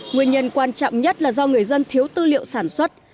nguyên nhân quan trọng nhất là do người dân thiếu tư liệu sản xuất